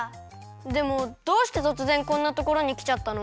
でもどうしてとつぜんこんなところにきちゃったの？